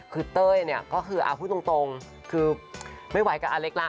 คือเต้ยเนี่ยก็คือเอาพูดตรงคือไม่ไหวกับอเล็กละ